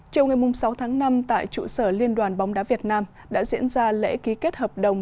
châu ngày sáu tháng năm tại trụ sở liên đoàn bóng đá việt nam đã diễn ra lễ ký kết hợp đồng